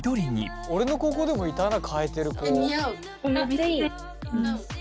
俺の高校でもいたな替えてる子。